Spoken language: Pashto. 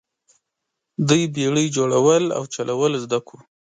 دوی بیړۍ جوړول او چلول زده کړل.